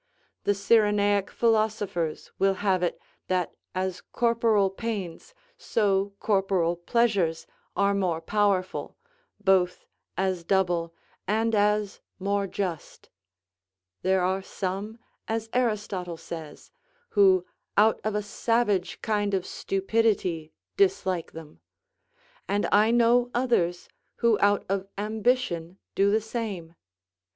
The Cyrenaic philosophers will have it that as corporal pains, so corporal pleasures are more powerful, both as double and as more just. There are some, as Aristotle says, who out of a savage kind of stupidity dislike them; and I know others who out of ambition do the same.